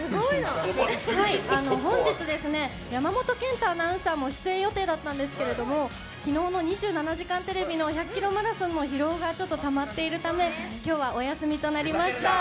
本日、山本賢太アナウンサーも出演予定だったんですが昨日の「２７時間テレビ」の１００ｋｍマラソンの疲労がたまっているため今日はお休みとなりました。